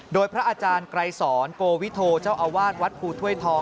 โดยพระอาจารย์ไกรสอนโกวิโทเจ้าอาวาสวัดภูถ้วยทอง